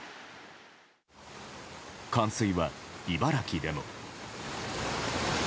冠水は茨城でも。